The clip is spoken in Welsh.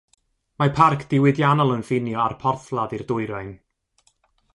Mae parc diwydiannol yn ffinio â'r porthladd i'r dwyrain.